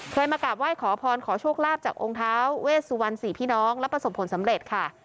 มากราบไหว้ขอพรขอโชคลาภจากองค์ท้าเวสวรรณสี่พี่น้องและประสบผลสำเร็จค่ะ